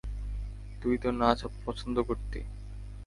তুই তো নাচ পছন্দ করতি।